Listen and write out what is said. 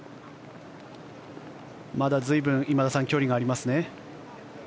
まだ随分、今田さん距離がありますね。